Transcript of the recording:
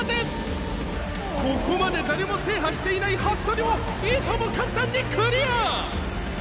「ここまで誰も制覇していないＨＡＴＴＯＲＩをいとも簡単にクリア！」